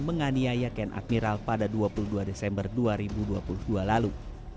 menganiaya ken akmiral pada dua puluh dua desember dua ribu dua puluh dua lalu